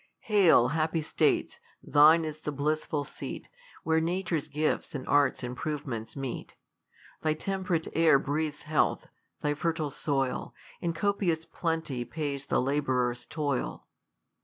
Hail, happy States ! thine is the blissful seat, Where nature's gifts and art's improvements meet* Thy temp'rate air breathes health ; thy fertile soil In copious plenty pays the labourer's toil.